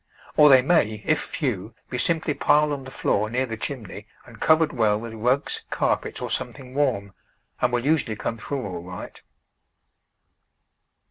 Or they may, if few, be simply piled on the floor near the chimney and covered well with rugs, carpets, or something warm, and will usually come through all right.